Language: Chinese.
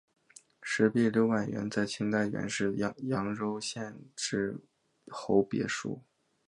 石壁流淙园在清代原是扬州盐商徐赞侯别墅。